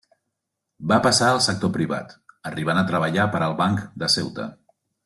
Va passar al sector privat, arribant a treballar per al Banc de Ceuta.